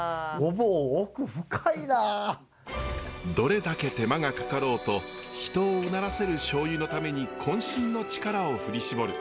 どれだけ手間がかかろうと人をうならせるしょうゆのためにこん身の力を振り絞る。